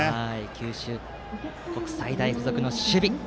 九州国際大付属の守備。